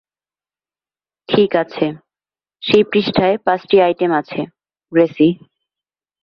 ঠিক আছে, সেই পৃষ্ঠায় পাঁচটি আইটেম আছে, গ্রেসি।